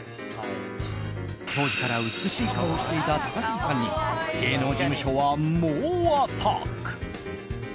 当時から美しい顔をしていた高杉さんに芸能事務所は猛アタック。